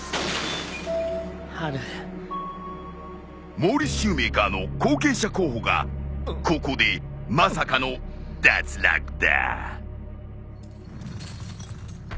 モーリスシューメーカーの後継者候補がここでまさかの脱落だ。